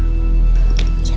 ya tapi nggak gini juga kalau itu